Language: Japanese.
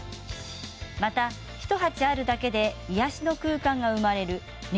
また１鉢あるだけで癒やしの空間が生まれるね